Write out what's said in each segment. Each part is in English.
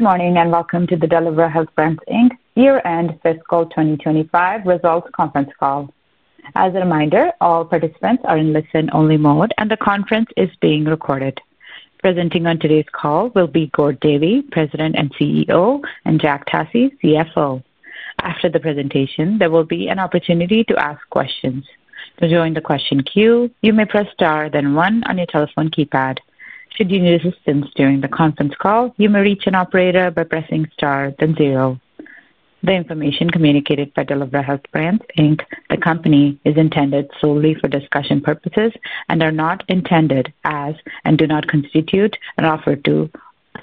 Good morning and welcome to the Delivra Health Brands Inc Year-End Fiscal 2025 Results Conference Call. As a reminder, all participants are in listen-only mode, and the conference is being recorded. Presenting on today's call will be Gord Davey, President and CEO, and Jack Tasse, CFO. After the presentation, there will be an opportunity to ask questions. To join the question queue, you may press star, then one on your telephone keypad. Should you need assistance during the conference call, you may reach an operator by pressing star, then zero. The information communicated by Delivra Health Brands, Inc, the company, is intended solely for discussion purposes and is not intended as and does not constitute an offer to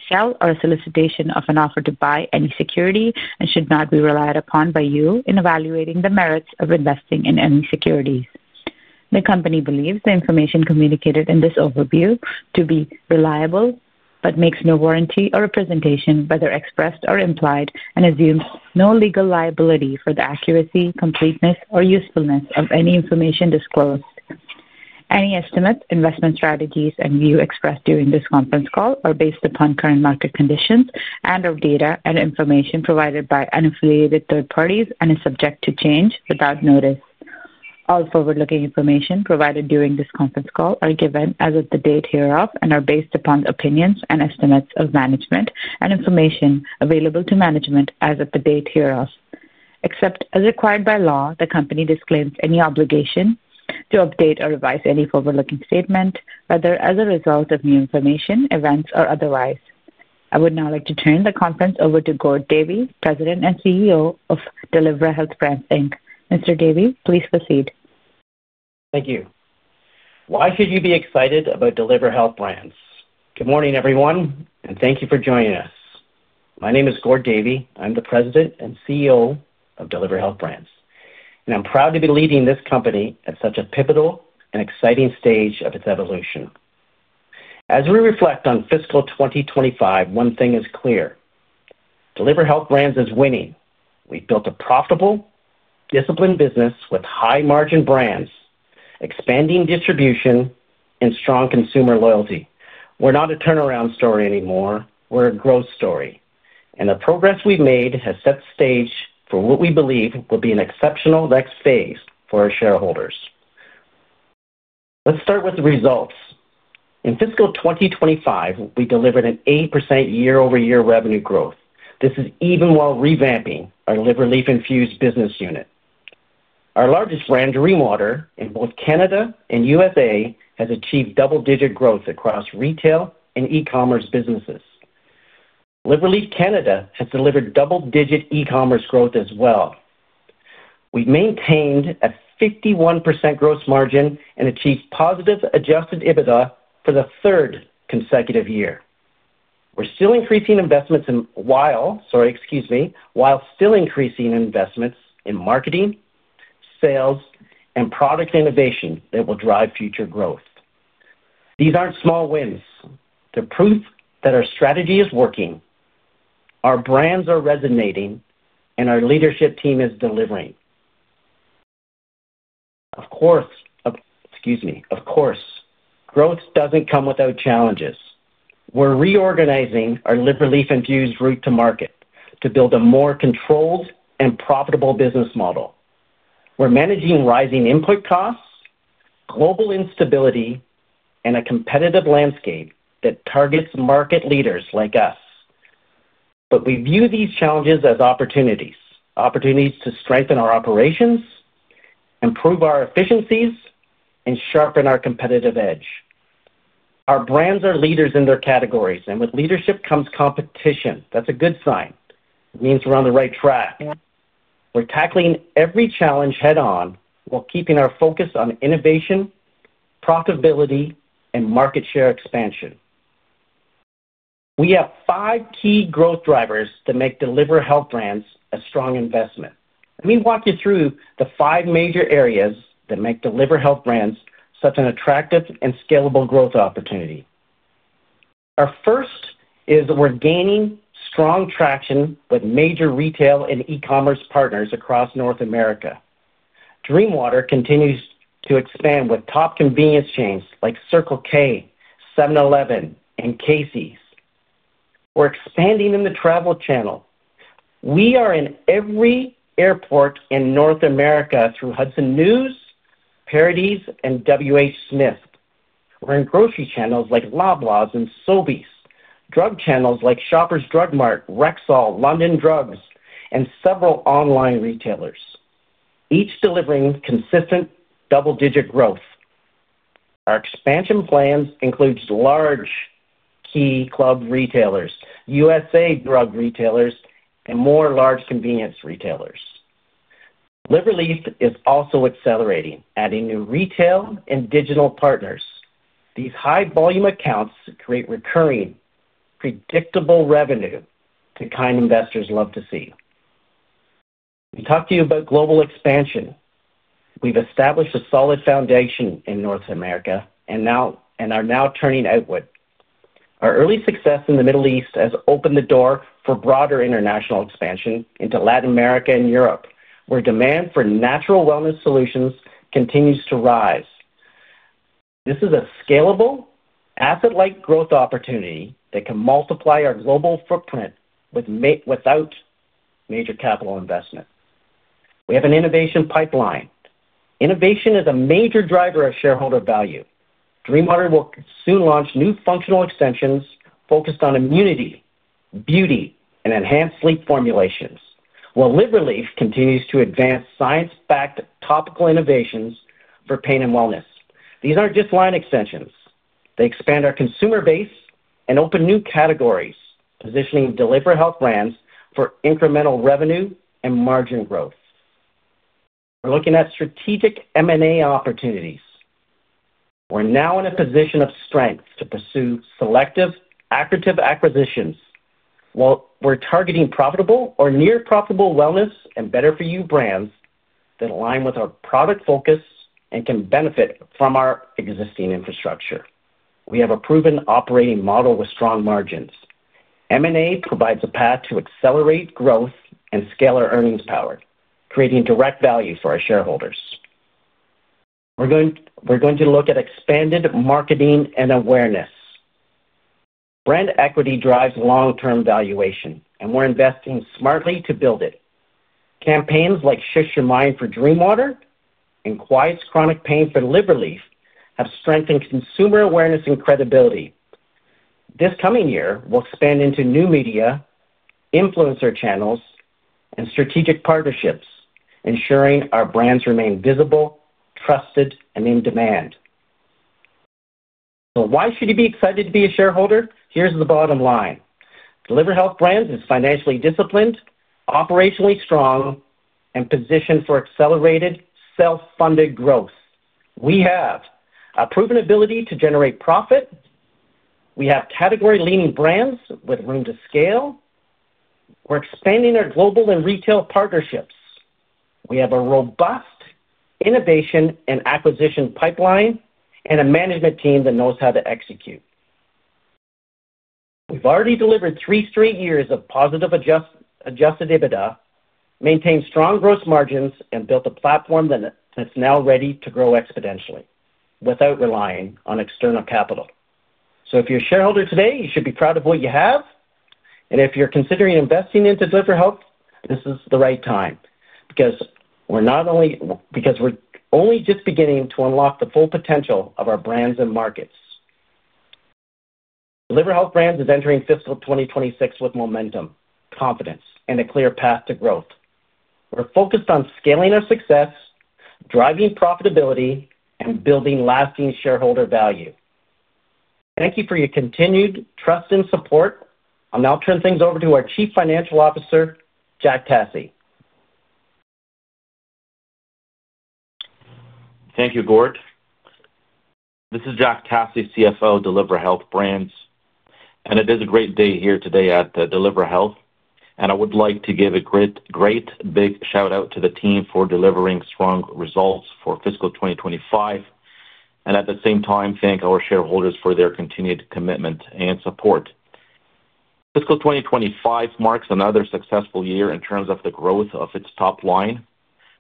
sell or a solicitation of an offer to buy any security and should not be relied upon by you in evaluating the merits of investing in any securities. The company believes the information communicated in this overview to be reliable but makes no warranty or representation whether expressed or implied and assumes no legal liability for the accuracy, completeness, or usefulness of any information disclosed. Any estimate, investment strategies, and view expressed during this conference call are based upon current market conditions and/or data and information provided by unaffiliated third parties and is subject to change without notice. All forward-looking information provided during this conference call is given as of the date hereof and is based upon the opinions and estimates of management and information available to management as of the date hereof. Except as required by law, the company disclaims any obligation to update or revise any forward-looking statement whether as a result of new information, events, or otherwise. I would now like to turn the conference over to Gord Davey, President and CEO of Delivra Health Brands, Inc. Mr. Davey, please proceed. Thank you. Why should you be excited about Delivra Health Brands? Good morning, everyone, and thank you for joining us. My name is Gord Davey. I'm the President and CEO of Delivra Health Brands, and I'm proud to be leading this company at such a pivotal and exciting stage of its evolution. As we reflect on fiscal 2025, one thing is clear: Delivra Health Brands is winning. We've built a profitable, disciplined business with high-margin brands, expanding distribution, and strong consumer loyalty. We're not a turnaround story anymore. We're a growth story, and the progress we've made has set the stage for what we believe will be an exceptional next phase for our shareholders. Let's start with the results. In fiscal 2025, we delivered an 80% year-over-year revenue growth. This is even while revamping our LivRelief Infused business unit. Our largest brand, Dream Water, in both Canada and U.S.A. has achieved double-digit growth across retail and e-commerce businesses. LivRelief Canada has delivered double-digit e-commerce growth as well. We've maintained a 51% gross margin and achieved positive adjusted EBITDA for the third consecutive year. We're still increasing investments in marketing, sales, and product innovation that will drive future growth. These aren't small wins. They're proof that our strategy is working, our brands are resonating, and our leadership team is delivering. Of course, growth doesn't come without challenges. We're reorganizing our LivRelief Infused route to market to build a more controlled and profitable business model. We're managing rising input costs, global instability, and a competitive landscape that targets market leaders like us. We view these challenges as opportunities, opportunities to strengthen our operations, improve our efficiencies, and sharpen our competitive edge. Our brands are leaders in their categories, and with leadership comes competition. That's a good sign. It means we're on the right track. We're tackling every challenge head-on while keeping our focus on innovation, profitability, and market share expansion. We have five key growth drivers that make Delivra Health Brands a strong investment. Let me walk you through the five major areas that make Delivra Health Brands such an attractive and scalable growth opportunity. Our first is that we're gaining strong traction with major retail and e-commerce partners across North America. Dream Water continues to expand with top convenience chains like Circle K, 7-Eleven, and Casey’s. We're expanding in the travel channel. We are in every airport in North America through Hudson News, Paradies, and WHSmith. We're in grocery channels like Loblaws and Sobeys, drug channels like Shoppers Drug Mart, Rexall, London Drugs, and several online retailers, each delivering consistent double-digit growth. Our expansion plans include large key club retailers, U.S.A. drug retailers, and more large convenience retailers. LivRelief is also accelerating, adding new retail and digital partners. These high-volume accounts create recurring, predictable revenue that kind investors love to see. We talk to you about global expansion. We've established a solid foundation in North America and are now turning outward. Our early success in the Middle East has opened the door for broader international expansion into Latin America and Europe, where demand for natural wellness solutions continues to rise. This is a scalable, asset-light growth opportunity that can multiply our global footprint without major capital investment. We have an innovation pipeline. Innovation is a major driver of shareholder value. Dream Water will soon launch new functional extensions focused on immunity, beauty, and enhanced sleep formulations, while LivRelief continues to advance science-backed topical innovations for pain and wellness. These aren't just line extensions. They expand our consumer base and open new categories, positioning Delivra Health Brands for incremental revenue and margin growth. We're looking at strategic M&A opportunities. We're now in a position of strength to pursue selective, active acquisitions while we're targeting profitable or near-profitable wellness and better-for-you brands that align with our product focus and can benefit from our existing infrastructure. We have a proven operating model with strong margins. M&A provides a path to accelerate growth and scale our earnings power, creating direct value for our shareholders. We're going to look at expanded marketing and awareness. Brand equity drives long-term valuation, and we're investing smartly to build it. Campaigns like "Shush Your Mind" for Dream Water and "Quiet chronic pain" for LivRelief have strengthened consumer awareness and credibility. This coming year, we'll expand into new media, influencer channels, and strategic partnerships, ensuring our brands remain visible, trusted, and in demand. Why should you be excited to be a shareholder? Here's the bottom line. Delivra Health Brands is financially disciplined, operationally strong, and positioned for accelerated, self-funded growth. We have a proven ability to generate profit. We have category-leading brands with room to scale. We're expanding our global and retail partnerships. We have a robust innovation and acquisition pipeline and a management team that knows how to execute. We've already delivered three straight years of positive adjusted EBITDA, maintained strong gross margins, and built a platform that's now ready to grow exponentially without relying on external capital. If you're a shareholder today, you should be proud of what you have. If you're considering investing into Delivra Health Brands, this is the right time because we're only just beginning to unlock the full potential of our brands and markets. Delivra Health Brands is entering fiscal 2026 with momentum, confidence, and a clear path to growth. We're focused on scaling our success, driving profitability, and building lasting shareholder value. Thank you for your continued trust and support. I'll now turn things over to our Chief Financial Officer, Jack Tasse. Thank you, Gord. This is Jack Tasse, CFO, Delivra Health Brands. It is a great day here today at Delivra Health. I would like to give a great, great big shout out to the team for delivering strong results for fiscal 2025 and thank our shareholders for their continued commitment and support. Fiscal 2025 marks another successful year in terms of the growth of its top line,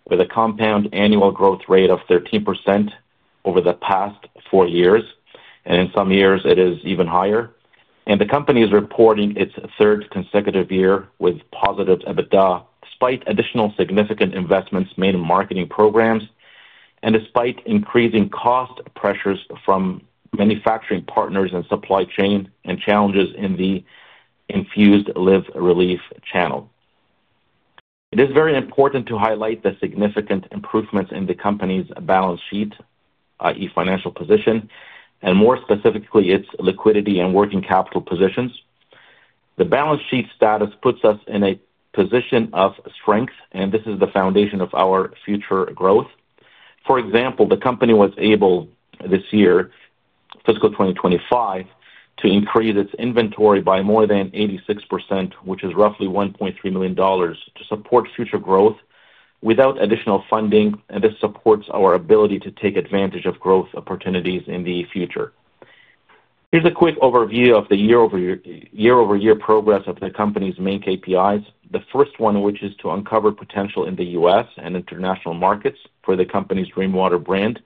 with a compound annual growth rate of 13% over the past four years. In some years, it is even higher. The company is reporting its third consecutive year with positive EBITDA despite additional significant investments made in marketing programs and despite increasing cost pressures from manufacturing partners and supply chain and challenges in the infused LivRelief channel. It is very important to highlight the significant improvements in the company's balance sheet, i.e., financial position, and more specifically, its liquidity and working capital positions. The balance sheet status puts us in a position of strength, and this is the foundation of our future growth. For example, the company was able this year, fiscal 2025, to increase its inventory by more than 86%, which is roughly $1.3 million, to support future growth without additional funding. This supports our ability to take advantage of growth opportunities in the future. Here's a quick overview of the year-over-year progress of the company's main KPIs. The first one, which is to uncover potential in the U.S. and international markets for the company's Dream Water brand.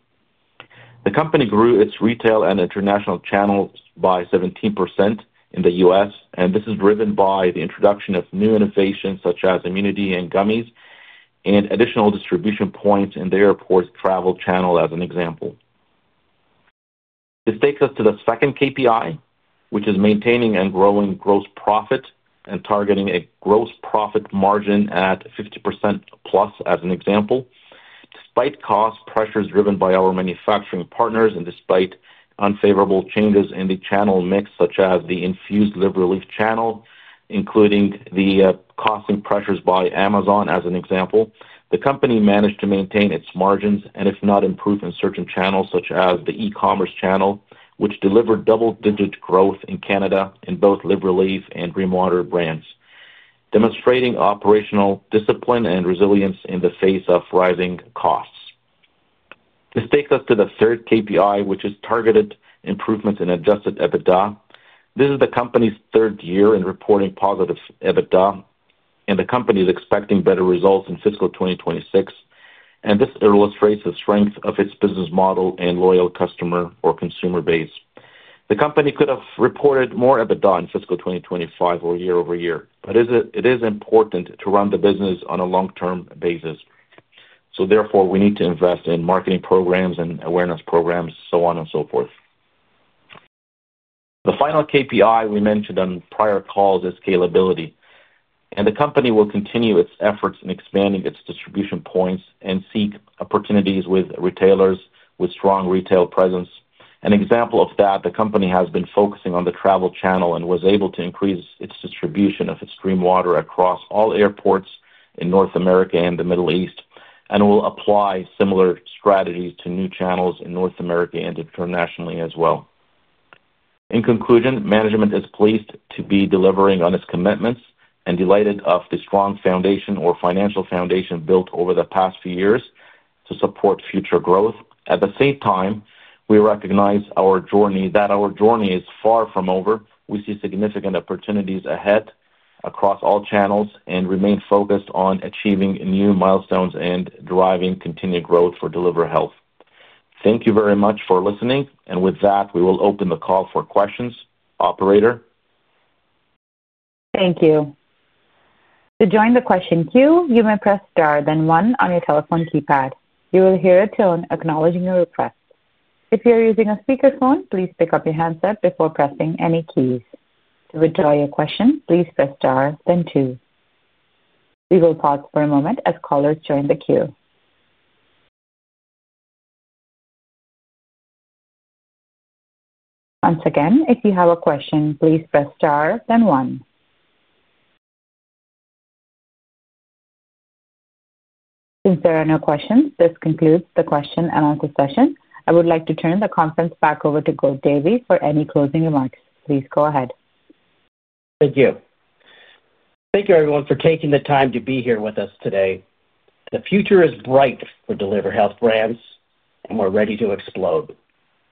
The company grew its retail and international channels by 17% in the U.S., and this is driven by the introduction of new innovations such as immunity and gummies and additional distribution points in the airport travel channel, as an example. This takes us to the second KPI, which is maintaining and growing gross profit and targeting a gross profit margin at 50% plus, as an example, despite cost pressures driven by our manufacturing partners and despite unfavorable changes in the channel mix, such as the infused LivRelief channel, including the costing pressures by Amazon, as an example. The company managed to maintain its margins and, if not improve, in certain channels, such as the e-commerce channel, which delivered double-digit growth in Canada in both LivRelief and Dream Water brands, demonstrating operational discipline and resilience in the face of rising costs. This takes us to the third KPI, which is targeted improvements in adjusted EBITDA. This is the company's third year in reporting positive EBITDA, and the company is expecting better results in fiscal 2026. This illustrates the strength of its business model and loyal customer or consumer base. The company could have reported more EBITDA in fiscal 2025 or year over year, but it is important to run the business on a long-term basis. Therefore, we need to invest in marketing programs and awareness programs, so on and so forth. The final KPI we mentioned on prior calls is scalability. The company will continue its efforts in expanding its distribution points and seek opportunities with retailers with strong retail presence. An example of that, the company has been focusing on the travel channel and was able to increase its distribution of its Dream Water across all airports in North America and the Middle East and will apply similar strategies to new channels in North America and internationally as well. In conclusion, management is pleased to be delivering on its commitments and delighted with the strong financial foundation built over the past few years to support future growth. At the same time, we recognize that our journey is far from over. We see significant opportunities ahead across all channels and remain focused on achieving new milestones and driving continued growth for Delivra Health Brands. Thank you very much for listening. With that, we will open the call for questions. Operator. Thank you. To join the question queue, you may press star, then one on your telephone keypad. You will hear a tone acknowledging your request. If you're using a speaker phone, please pick up your headset before pressing any keys. To withdraw your question, please press star, then two. We will pause for a moment as callers join the queue. Once again, if you have a question, please press star, then one. Since there are no questions, this concludes the question and answer session. I would like to turn the conference back over to Gord Davey for any closing remarks. Please go ahead. Thank you. Thank you, everyone, for taking the time to be here with us today. The future is bright for Delivra Health Brands, and we're ready to explode.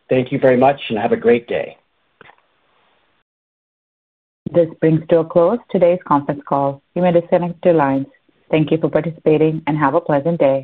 Thank you very much, and have a great day. This brings to a close today's conference call. You may disconnect your lines. Thank you for participating and have a pleasant day.